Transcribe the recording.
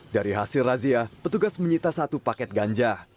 dari hasil razia petugas menyita satu paket ganja